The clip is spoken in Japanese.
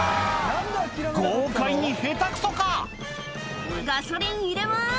豪快にヘタくそか⁉「ガソリン入れます」